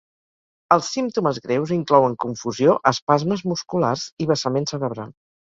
Els símptomes greus inclouen confusió, espasmes musculars i vessament cerebral.